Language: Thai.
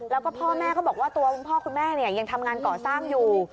แล้วก็พ่อแม่ก็บอกว่าตัวคุณพ่อคุณแม่ยังทำงานก่อสร้างอยู่